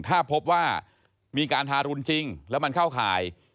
ถ้าพบว่ามีการทารุณจริงแล้วมันเข้าข่าย